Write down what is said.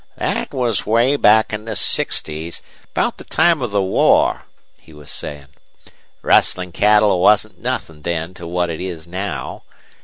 " that was way back in the sixties, about the time of the war," he was saying. "Rustlin' cattle wasn't nuthin' then to what it is now.